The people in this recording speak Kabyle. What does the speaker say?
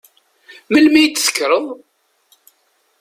Melmi i d-tekkreḍ?